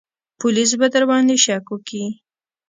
پوليس به درباندې شک وکي.